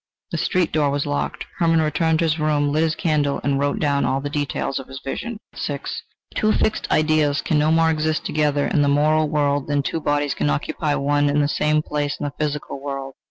The street door was locked. Hermann returned to his room, lit his candle, and wrote down all the details of his vision. VI Two fixed ideas can no more exist together in the moral world than two bodies can occupy one and the same place in the physical world.